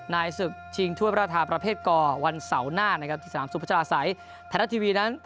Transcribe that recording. นายศึกชิงทั่วประธาประเภทก่อวันเสาร์หน้านะครับ